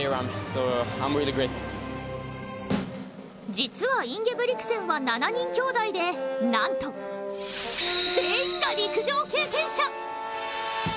実はインゲブリクセンは７人兄弟でなんと全員が陸上経験者。